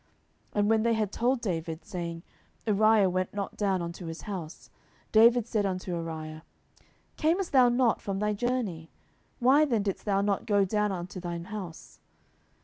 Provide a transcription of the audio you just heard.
10:011:010 And when they had told David, saying, Uriah went not down unto his house, David said unto Uriah, Camest thou not from thy journey? why then didst thou not go down unto thine house?